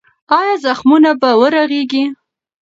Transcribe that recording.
ایا زخمونه به ورغېږي؟